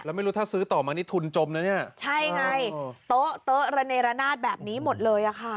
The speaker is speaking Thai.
แล้วไม่รู้ถ้าซื้อต่อมานี่ทุนจมนะเนี่ยใช่ไงโต๊ะโต๊ะระเนรนาศแบบนี้หมดเลยอ่ะค่ะ